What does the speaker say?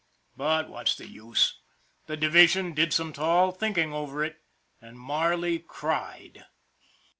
But what's the use! The division did some tall thinking over it and Marley cried